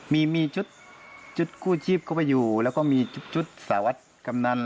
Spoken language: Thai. มีจุดจุดคู่ชีพเข้าไปอยู่แล้วก็มีจุดจุดสหวัดกำนัน